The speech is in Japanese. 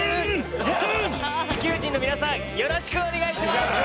地球人の皆さんよろしくお願いします。